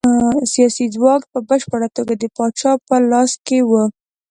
سیاسي ځواک په بشپړه توګه د پاچا په لاس کې و.